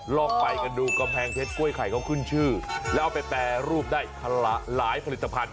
ลองไปกันดูกำแพงเพชรกล้วยไข่เขาขึ้นชื่อแล้วเอาไปแปรรูปได้หลายผลิตภัณฑ